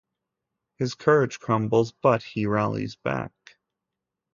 His courage crumbles but he rallies back.